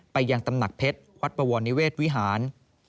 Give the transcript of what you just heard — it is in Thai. ไปยังตำหนักเพชรวัดบวรนิเวศวิหาร